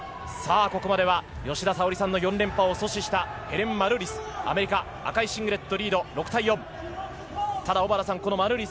ここまでは吉田沙保里さんの４連覇を阻止したヘレン・マルーリス、アメリカ赤いシングレット。